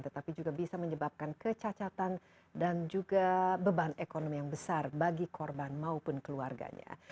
tetapi juga bisa menyebabkan kecacatan dan juga beban ekonomi yang besar bagi korban maupun keluarganya